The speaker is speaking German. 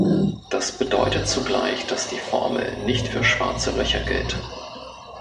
Das bedeutet zugleich, dass die Formel nicht für Schwarze Löcher gilt.